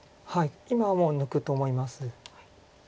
今はもう抜くと思います。